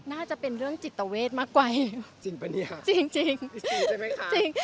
น่าจะเป็นเรื่องจิตเวทมากไว้จริงปะเนี้ยจริงจริงจริงใช่ไหมค่ะจริง